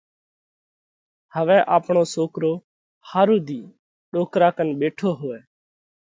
هوَئہ آپڻو سوڪرو ۿارو ۮِي ڏوڪرا ڪنَ ٻيٺو هوئه۔